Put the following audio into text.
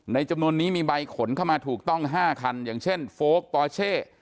จำนวนนี้มีใบขนเข้ามาถูกต้อง๕คันอย่างเช่นโฟลกปอเช่